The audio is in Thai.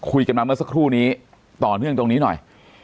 คุยกันมาเมื่อสักครู่นี้ต่อเนื่องตรงนี้หน่อย